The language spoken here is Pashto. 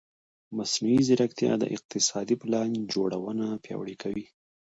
مصنوعي ځیرکتیا د اقتصادي پلان جوړونه پیاوړې کوي.